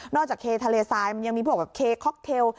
จากเคทะเลทรายมันยังมีพวกแบบเคค็อกเทล